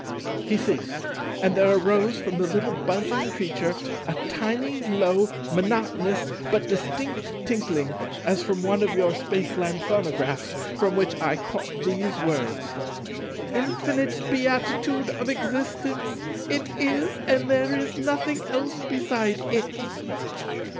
He ceased; and there arose from the little buzzing creature a tiny, low, monotonous, but distinct tinkling, as from one of your Spaceland phonographs, from which I caught these words, "Infinite beatitude of existence! It is; and there is nothing else beside It."